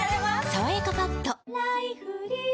「さわやかパッド」